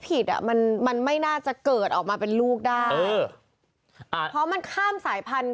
อ่ะมันมันไม่น่าจะเกิดออกมาเป็นลูกได้เอออ่าเพราะมันข้ามสายพันธุ